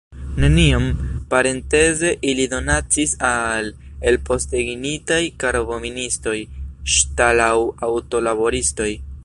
Neniom, parenteze, ili donacis al elpostenigitaj karboministoj, ŝtal- aŭ aŭto-laboristoj.